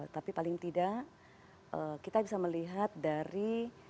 tapi paling tidak kita bisa melihat dari